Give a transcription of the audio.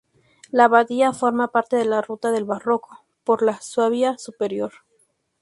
La abadía forma parte de la ruta del barroco por la Suabia superior.